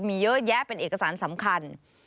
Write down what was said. มีเยอะแยะเป็นเอกสารสำคัญ